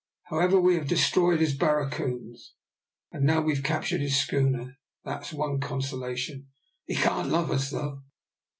"However, we have destroyed his barracoons, and now we've captured his schooner that's one consolation. He can't love us, though."